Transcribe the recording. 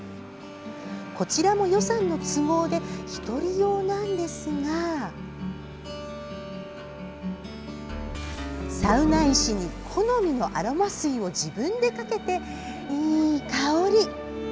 こちらも予算の都合で１人用なんですがサウナ石に好みのアロマ水を自分でかけて、いい香り。